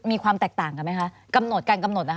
มีความแตกต่างกันไหมคะกำหนดการกำหนดนะคะ